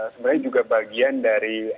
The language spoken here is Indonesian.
sebenarnya juga bagian dari